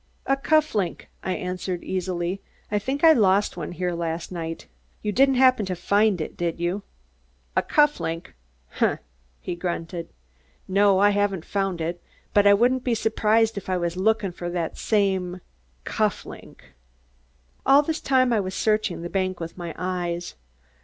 "A cuff link," I answered easily. "I think I lost one here last night. You didn't happen to find it, did you?" "A cuff link? Humph!" he grunted. "No, I haven't found it, but I wouldn't be surprised if I was lookin' for that same cuff link." All this time I was searching the bank with my eyes.